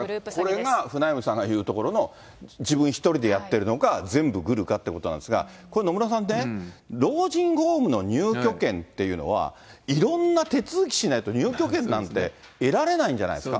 これがフナイムさんが言うところの自分１人でやっているのか、全部グルかっていうことなんですが、これ、野村さんね、老人ホームの入居権というのは、いろんな手続きしないと入居権なんて得られないんじゃないですか。